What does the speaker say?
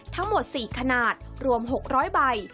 ทั้งหมด๔ขนาดรวม๖๐๐ใบ